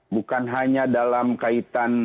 bukan hanya dalam kaitan di lingkungan